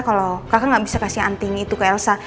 kalau kakak gak bisa kasih antini itu ke elsa